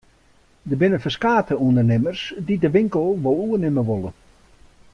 Der binne ferskate ûndernimmers dy't de winkel wol oernimme wolle.